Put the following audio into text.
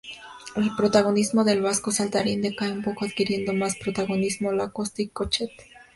El protagonismo del "vasco saltarín" decae un poco adquiriendo más protagonismo Lacoste y Cochet.